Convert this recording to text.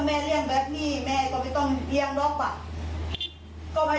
ในเรียนตลอดเดือนที่เว้าไปน่ะ